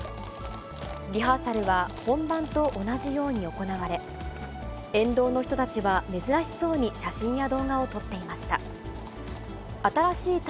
リハーサルは本番と同じように行われ、沿道の人たちは、珍しそうに写真や動画を撮っていました。